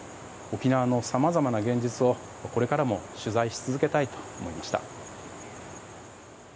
沖縄のさまざまな現実をこれからも取材し続けたいと思いました。